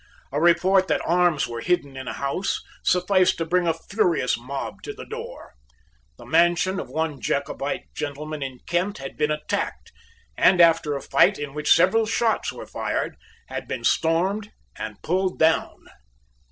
A report that arms were hidden in a house sufficed to bring a furious mob to the door. The mansion of one Jacobite gentleman in Kent had been attacked, and, after a fight in which several shots were fired, had been stormed and pulled down.